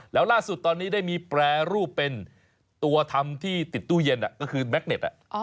แล้วล่าสุดตอนนี้ได้มีแปรรูปเป็นตัวทำที่ติดตู้เย็นก็คือแม็กเน็ต